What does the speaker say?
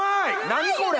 何これ。